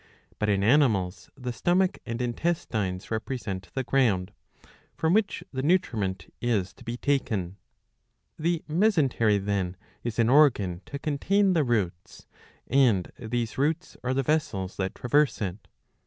But in animals the stomach and intestines represent the ground, from which the nutriment is to be taken. The mesentery, then, is an organ to contain the roots ; and these rpots are the vessels that traverse it.